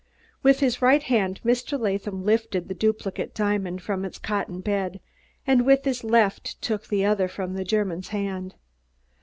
With his right hand Mr. Latham lifted the duplicate diamond from its cotton bed, and with his left took the other from the German's hand.